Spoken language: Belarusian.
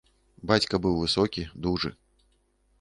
Бацька быў высокі, дужы.